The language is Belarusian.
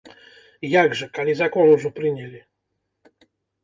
Як жа, калі закон ужо прынялі?